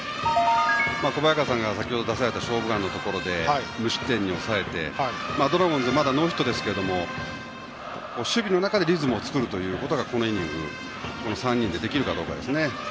小早川さんが先ほど出された「勝負眼」のところで無失点に抑えてドラゴンズまだノーヒットですが守備の中でリズムを作ることがこのイニング３人でできるかですね。